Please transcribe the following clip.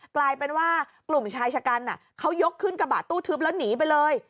กลายเป็นว่ากลุ่มชายชะกันเขายกขึ้นกระบะตู้ทึบแล้วหนีไปเลย